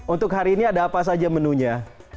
untuk hari ini ada apa saja menunya